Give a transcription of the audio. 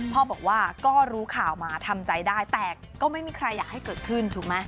พ่อบอกว่าก็รู้ข่าวมาทำใจได้แต่ก็ไม่มีใครอยากให้เกิดขึ้นถูกไหม